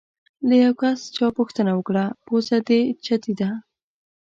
له یو کس چا پوښتنه وکړه: پوزه دې چیتې ده؟